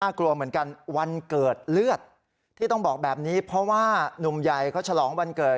กลัวเหมือนกันวันเกิดเลือดที่ต้องบอกแบบนี้เพราะว่านุ่มใหญ่เขาฉลองวันเกิด